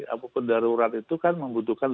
apapun darurat itu kan membutuhkan